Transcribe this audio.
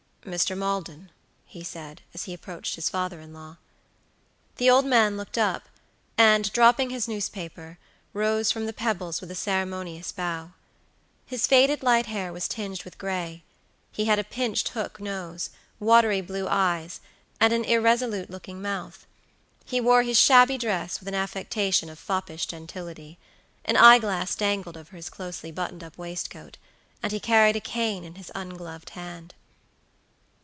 "Mr. Maldon," he said, as he approached his father in law. The old man looked up, and, dropping his newspaper, rose from the pebbles with a ceremonious bow. His faded light hair was tinged with gray; he had a pinched hook nose; watery blue eyes, and an irresolute looking mouth; he wore his shabby dress with an affectation of foppish gentility; an eye glass dangled over his closely buttoned up waistcoat, and he carried a cane in his ungloved hand.